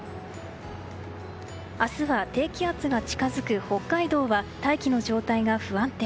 明日は、低気圧が近づく北海道は大気の状態が不安定。